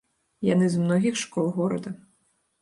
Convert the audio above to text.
Яны з многіх школ горада.